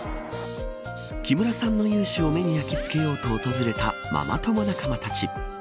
木村さんの雄姿を目に焼きつけようと訪れたママ友仲間たち。